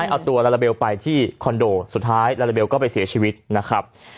เอาตัวลาลาเบลไปที่คอนโดสุดท้ายลาลาเบลก็ไปเสียชีวิตนะครับ